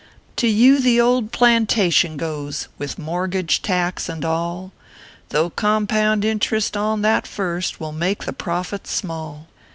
To you the old plantation goes, With mortgage, tax, and all, Though compound interest on that first, "Will make the profit small.